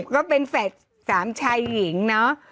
ก็เป็นแฝดสามชายหญิงเนาะ